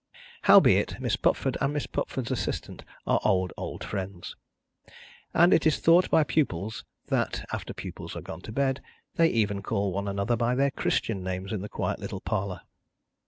Howbeit, Miss Pupford and Miss Pupford's assistant are old old friends. And it is thought by pupils that, after pupils are gone to bed, they even call one another by their christian names in the quiet little parlour.